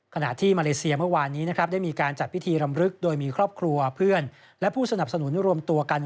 ขณะที่มาเลเซียเมื่อวานนี้นะครับได้มีการจัดพิธีรำลึกโดยมีครอบครัวเพื่อนและผู้สนับสนุนรวมตัวกัน